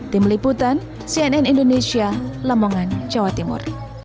tim liputan cnn indonesia lamongan jawa timur